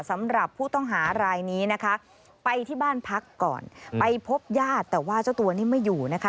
สำหรับผู้ต้องหารายนี้นะคะไปที่บ้านพักก่อนไปพบญาติแต่ว่าเจ้าตัวนี้ไม่อยู่นะคะ